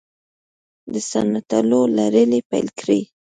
د ستنولو لړۍ پیل کړې